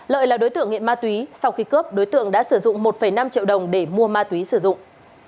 lợi là đối tượng nghiện ma túy sau khi cướp đối tượng đã sử dụng một năm triệu đồng để mua ma túy sử dụng